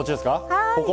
ここ？